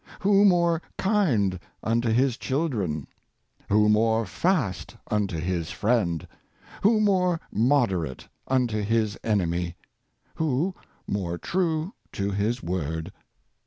— Who more kind unto his children? — Who more fast unto his friend? — Who more moderate unto his enemy? — Who more true to his word?